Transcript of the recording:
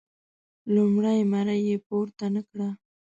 لومړۍ مړۍ یې پورته نه کړه.